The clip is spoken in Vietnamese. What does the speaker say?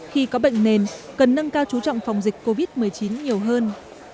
khi có bệnh nền cần nâng cao chú trọng phòng dịch covid một mươi chín nhiều hơn